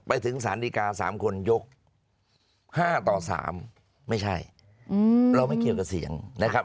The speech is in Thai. ไปถึงสารดีกา๓คนยก๕ต่อ๓ไม่ใช่เราไม่เกี่ยวกับเสียงนะครับ